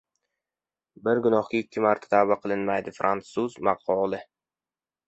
Bir gunohga ikki marta tavba qilinmaydi. Frantsuz maqoli